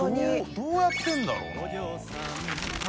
どうやってるんだろうな？